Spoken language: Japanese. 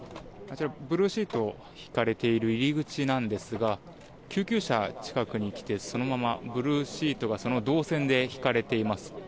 ブルーシートがひかれている入り口なんですが救急車が近くに来てそのままブルーシートがその動線で引かれています。